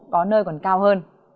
có nơi còn cao hơn